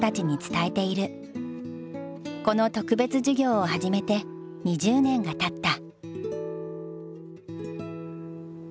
この特別授業を始めて２０年がたった。